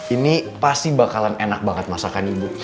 ini pasti bakalan enak banget masakan ibu